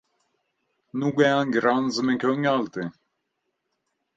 Nog är han grann som en kung alltid!